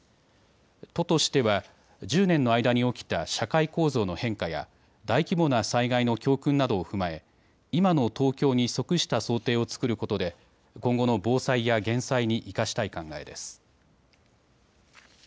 都としては１０年の間に起きた社会構造の変化や大規模な災害の教訓などを踏まえ今の東京に即した想定を作ることで今後の防災や減災に生かしたい考えです。